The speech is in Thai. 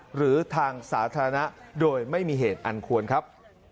หรือทางสาธารณะโดยไม่มีเหตุอันควรครับ